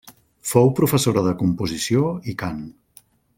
Fou professora de composició i cant.